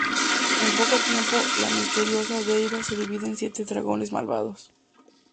En poco tiempo, la misteriosa deidad se divide en siete dragones malvados.